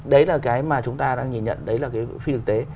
đấy là cái mà chúng ta đang nhìn nhận đấy là cái phi thực tế